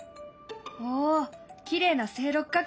おきれいな正六角形！